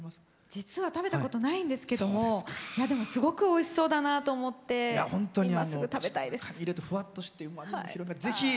実は食べたことないんですけどもすごくおいしそうだなと思って今すぐ食べたいです。